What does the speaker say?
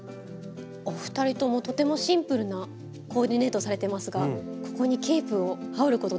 お二人ともとてもシンプルなコーディネートされてますがここにケープを羽織ることで変わるんですか？